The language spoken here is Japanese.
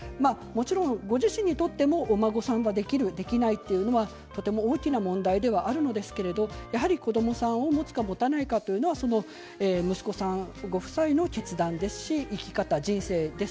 ご自身にとってもお孫さんができるできないというのは大きな問題ではあるのですけれど子どもさんを持つか持たないかというのは息子さんご夫妻の決断で生き方で人生です。